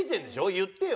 言ってよ。